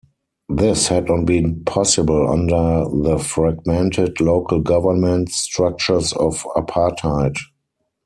This had not been possible under the fragmented local government structures of apartheid.